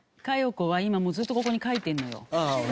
佳代子は今もうずっとここに書いてるのよ。